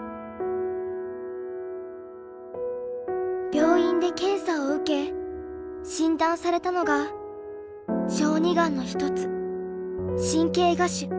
病院で検査を受け診断されたのが小児がんの一つ神経芽腫。